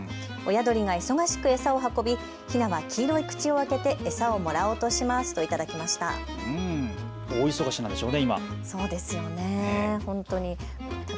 親鳥が忙しく餌を運びひなは黄色い口を開けて餌をもらおうとしますと頂きました。